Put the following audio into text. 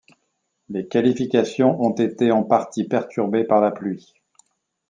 Les qualifications ont été en partie perturbées par la pluie.